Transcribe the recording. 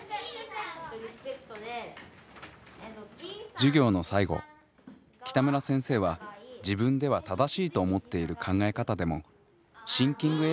授業の最後北村先生は自分では正しいと思っている考え方でもシンキングエラーになりうると語りかけました。